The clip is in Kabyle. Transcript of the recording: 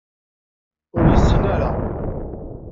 Ur yessin ara.